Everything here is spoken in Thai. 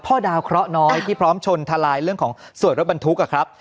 พ่อดาวเคราะห์น้อยที่พร้อมชนทลายเรื่องของส่วนรถบรรทุก